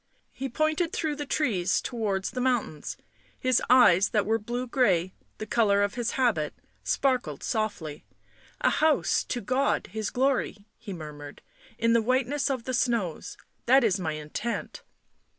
He pointed through the trees towards the mountains ; his eyes, that were blue grey, the colour of his habit, sparkled softly. " A house to God His glory," he murmured. " In the whiteness of the snows. That is my intent."